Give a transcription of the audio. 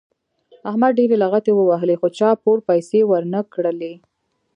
احمد ډېرې لغتې ووهلې خو چا پور پیسې ور نه کړلې.